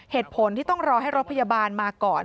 เหตุผลที่ต้องรอให้รถพยาบาลมาก่อน